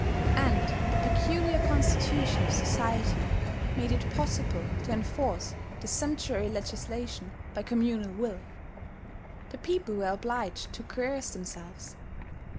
And the peculiar constitution of society made it possible to enforce this sumptuary legislation by communal will; the people were obliged to coerce themselves!